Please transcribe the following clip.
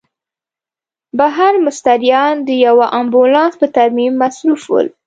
بهر مستریان د یوه امبولانس په ترمیم مصروف ول.